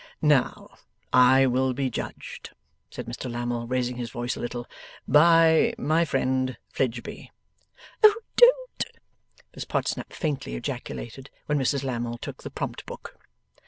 'Now, I will be judged,' said Mr Lammle, raising his voice a little, 'by my friend Fledgeby.' 'Oh DON'T!' Miss Podsnap faintly ejaculated: when Mrs Lammle took the prompt book.